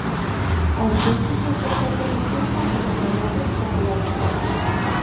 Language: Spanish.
A este instituto pertenecían tanto sacerdotes como laicos.